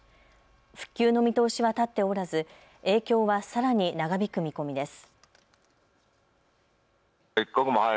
復旧の見通しは立っておらず影響はさらに長引く見込みです。